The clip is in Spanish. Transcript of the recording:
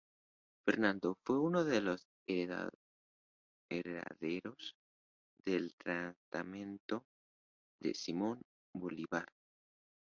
Fernando fue uno de los herederos del Testamento de Simón Bolívar.